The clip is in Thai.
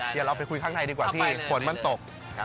เดี๋ยวเราไปคุยข้างในดีกว่าที่ฝนมันตก